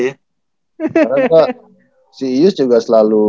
karena tuh si ius juga selalu